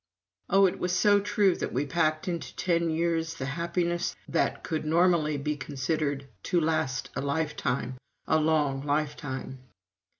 Oh, it was so true that we packed into ten years the happiness that could normally be considered to last a lifetime a long lifetime.